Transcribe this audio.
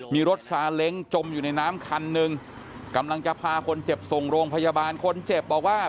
มีรถซาเล้งจมอยู่ในน้ำคันหนึ่งกำลังจะพาคนเจ็บส่งโรงพยาบาลคนเจ็บบอกว่า